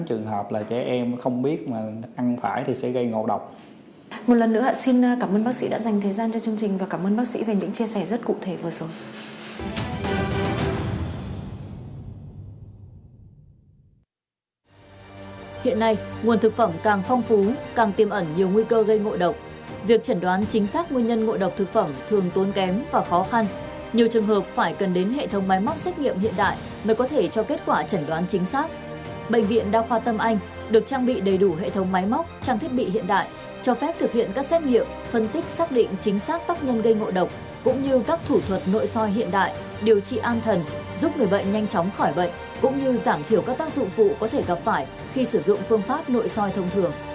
cũng như giảm thiểu các tác dụng vụ có thể gặp phải khi sử dụng phương pháp nội soi thông thường